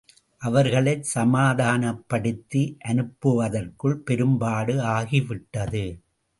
அவர்களைச் சமாதானப்படுத்தி அனுப்புவதற்குள் பெரும்பாடு ஆகிவிட்டது.